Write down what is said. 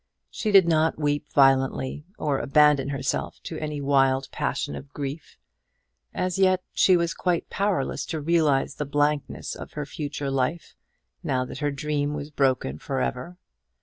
She did not weep violently, or abandon herself to any wild passion of grief. As yet she was quite powerless to realize the blankness of her future life, now that her dream was broken for ever.